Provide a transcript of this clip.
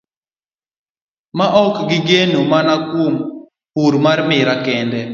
Maok ni gigeno mana kuom pur mar miraa kende.